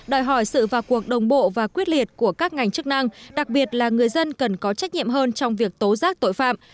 đòi hỏi sự và cuộc đồng bộ và quyết liệt của các ngành chức năng đặc biệt là người dân cần có trách nhiệm hơn trong việc tố giác tội phạm